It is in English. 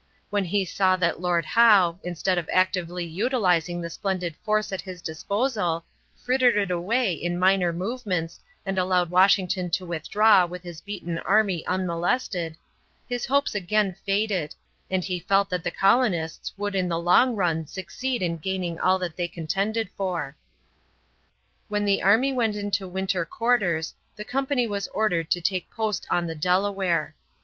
When he saw that Lord Howe, instead of actively utilizing the splendid force at his disposal, frittered it away in minor movements and allowed Washington to withdraw with his beaten army unmolested, his hopes again faded, and he felt that the colonists would in the long run succeed in gaining all that they contended for. When the army went into winter quarters the company was ordered to take post on the Delaware.